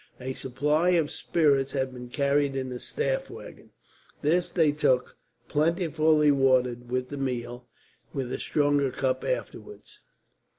A supply of spirits had been carried in the staff waggon. This they took, plentifully watered, with the meal; with a stronger cup afterwards.